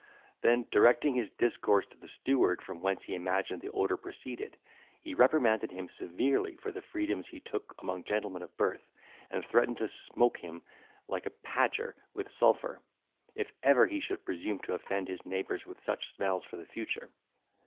Then, directing his discourse to the steward, from whence he imagined the odour proceeded, he reprimanded him severely for the freedoms he took among gentlemen of birth, and threatened to smoke him like a padger with sulphur, if ever he should presume to offend his neighbours with such smells for the future.